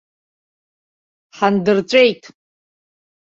Ҳандыр-ҵәеит!